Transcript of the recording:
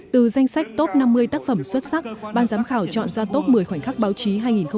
từ danh sách top năm mươi tác phẩm xuất sắc ban giám khảo chọn ra top một mươi khoảnh khắc báo chí hai nghìn một mươi tám